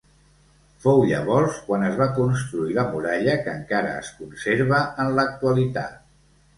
Fou llavors quan es va construir la muralla que encara es conserva en l'actualitat.